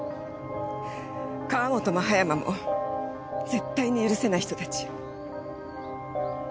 川本も葉山も絶対に許せない人たちよ。